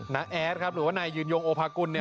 ้าแอดครับหรือว่านายยืนยงโอภากุลเนี่ย